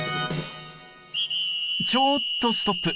ちょっとストップ。